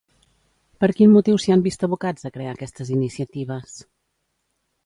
Per quin motiu s'hi han vist abocats a crear aquestes iniciatives?